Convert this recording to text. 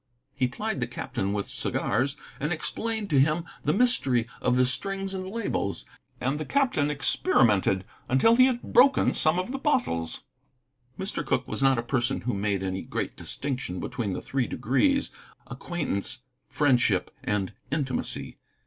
He plied the captain with cigars, and explained to him the mystery of the strings and labels; and the captain experimented until he had broken some of the bottles. Mr. Cooke was not a person who made any great distinction between the three degrees, acquaintance, friendship, and intimacy.